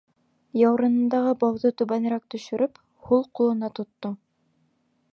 Яурынындағы бауҙы түбәнерәк төшөрөп, һул ҡулына тотто.